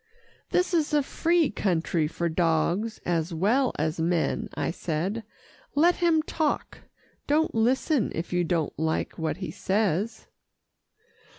"This is a free country for dogs as well as men," I said. "Let him talk. Don't listen, if you don't like what he says."